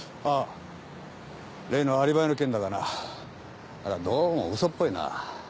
あ例のアリバイの件だがなあれはどうも嘘っぽいな。